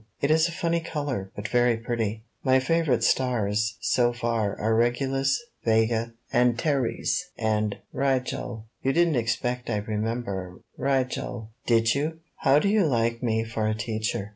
It is a funny color, but very pretty. ''My favorite stars so far are Regulus, Vega, Antares and Rigel. You didn't expect I'd remember Rigel, did you? "How do you like me for a teacher?